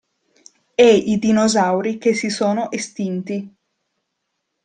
E i dinosauri che si sono estinti.